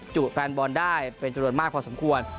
แฟนบอลได้เป็นจำนวนมากพอสมควร